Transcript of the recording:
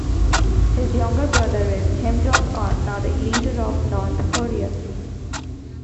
His younger brother is Kim Jong-un, now the leader of North Korea.